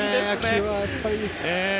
今日はやっぱり。